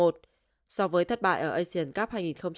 so với thất bại ở asian cup hai nghìn hai mươi ba